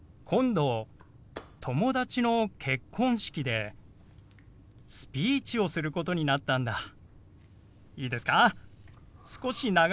今度友達の結婚式でスピーチをすることになったんだ。